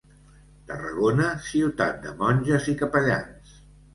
Tarragona, ciutat de monges i capellans.